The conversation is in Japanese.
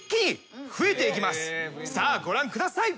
さあご覧ください。